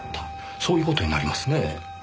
そういう事になりますねぇ。